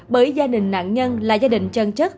bởi gia đình nạn nhân là gia đình chân chất